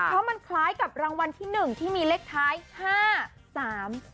เพราะมันคล้ายกับรางวัลที่๑ที่มีเลขท้าย๕๓๐เป็นไง